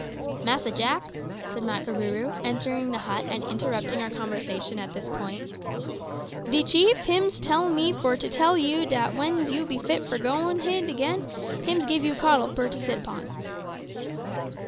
"Massa Jack," said Makarooroo, entering the hut and interrupting our conversation at this point, "de chief hims tell to me for to tell to you dat w'en you's be fit for go hid agin hims gib you cottle for sit upon."